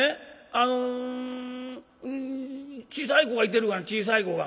「あの小さい子がいてるがな小さい子が。